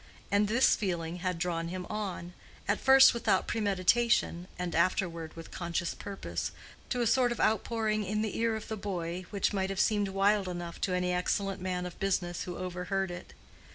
And this feeling had drawn him on, at first without premeditation, and afterward with conscious purpose, to a sort of outpouring in the ear of the boy which might have seemed wild enough to any excellent man of business who overheard it.